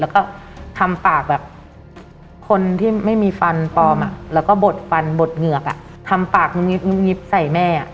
แล้วก็ทำปากแบบคนที่ไม่มีฟันปลอมแล้วก็บดฟันบดเหงือกทำปากงุบงิบใส่แม่